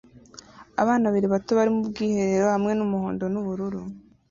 Abana babiri bato bari mu bwiherero hamwe n'umuhondo n'ubururu